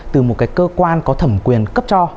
từ một cái cơ quan có thẩm quyền cấp cho